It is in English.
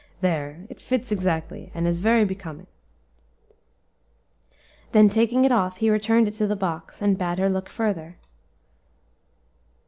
"There! it fits exactly, and is very becoming." Then taking it off, he returned it to the box, and bade her look further.